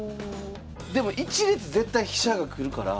でも１列絶対飛車が来るから。